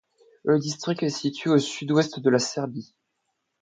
Le district est situé au sud-ouest de la Serbie.